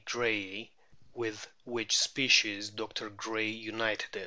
grayi, with which species Dr. Gray united it.